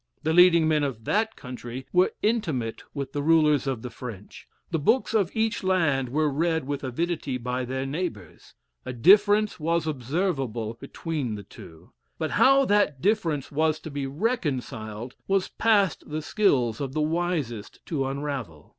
The leading men of that country were intimate with the rulers of the French; the books of each land were read with avidity by their neighbors; a difference was observable between the two: but how that difference was to be reconciled was past the skill of the wisest to unravel.